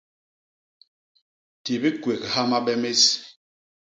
Di bikwégha mabe més.